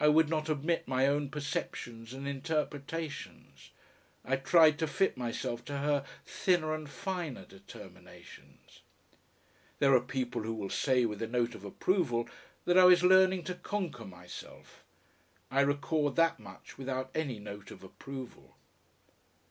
I would not admit my own perceptions and interpretations. I tried to fit myself to her thinner and finer determinations. There are people who will say with a note of approval that I was learning to conquer myself. I record that much without any note of approval....